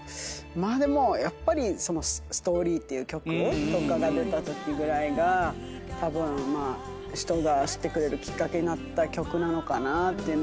まあでもやっぱり。とかが出たときぐらいがたぶん人が知ってくれるきっかけになった曲なのかなっていうのが。